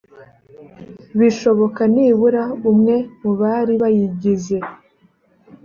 bishoboka nibura umwe mu bari bayigize